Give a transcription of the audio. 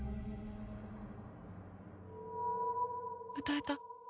歌えた